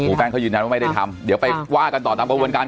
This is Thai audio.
คุณครูแป้งเค้าอยู่ไหนไม่ได้ทำเดี๋ยวไปว่ากันต่อตามประวัติการ